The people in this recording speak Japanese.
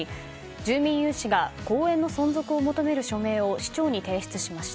住民有志が公園の存続を求める署名を市長に提出しました。